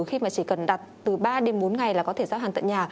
khi mà chỉ cần đặt từ ba đến bốn ngày là có thể giao hàng tận nhà